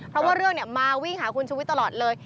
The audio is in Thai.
เพราะว่าเรื่องมาวิ่งหาคุณชุวิตตลอดเลย